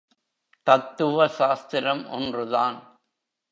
தத்துவ சாஸ்திரம் ஒன்று தான்.